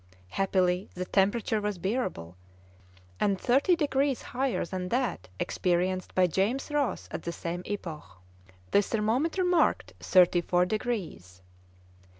Happily the temperature was bearable, and thirty degrees higher than that experienced by James Ross at the same epoch. The thermometer marked thirty four degrees.